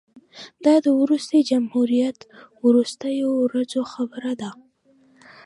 دا د وروستي جمهوریت د وروستیو ورځو خبره ده.